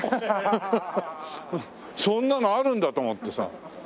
ハハッそんなのあるんだと思ってさ。